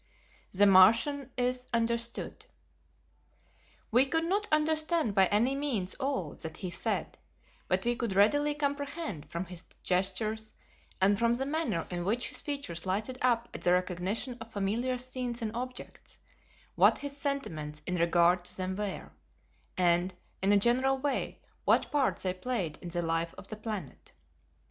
The Martian Is Understood. We could not understand by any means all that he said, but we could readily comprehend, from his gestures, and from the manner in which his features lighted up at the recognition of familiar scenes and objects, what his sentiments in regard to them were, and, in a general way, what part they played in the life of the planet.